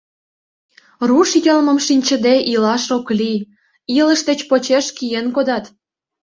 Руш йылмым шинчыде илаш ок лий, илыш деч почеш киен кодат.